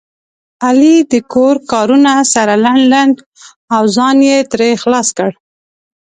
علي د کلي کور کارونه سره لنډ بنډ او ځان یې ترې خلاص کړ.